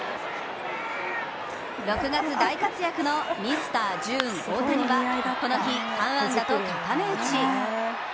６月大活躍のミスタージューン・大谷はこの日３安打と高め打ち。